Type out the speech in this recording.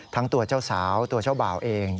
ทั้งตัวเจ้าสาวตัวเจ้าบ่าวเอง